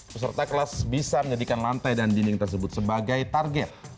peserta kelas bisa menjadikan lantai dan dinding tersebut sebagai target